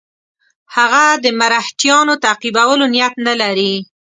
هغه د مرهټیانو تعقیبولو نیت نه لري.